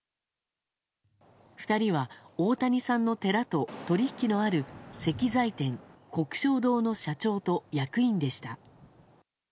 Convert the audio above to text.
２人は大谷さんの寺と取引のある石材店、鵠祥堂の社長と役員でした。